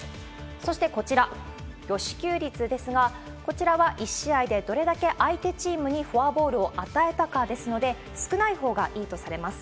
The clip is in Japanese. そして、こちら、与四球率ですが、こちらは１試合でどれだけ相手チームにフォアボールを与えたかですので、少ないほうがいいとされます。